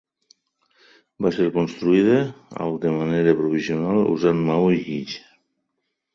Va ser construïda al de manera provisional, usant maó i guix.